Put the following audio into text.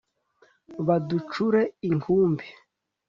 baducure inkumbi